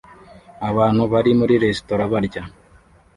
Abantu bari muri resitora barya